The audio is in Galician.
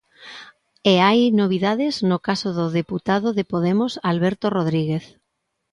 E hai novidades no caso do deputado de Podemos Alberto Rodríguez.